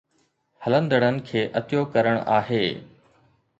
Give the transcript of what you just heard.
ھلندڙن کي عطيو ڪرڻ آھي